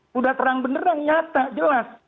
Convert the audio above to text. sudah terang beneran nyata jelas